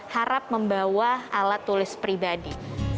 harap membawa alat tulis pribadi